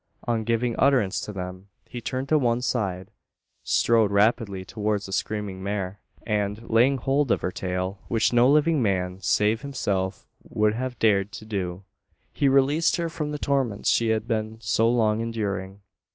On giving utterance to them, he turned to one side; strode rapidly towards the screaming mare; and, laying hold of her tail which no living man save himself would have dared to do he released her from the torments she had been so long enduring.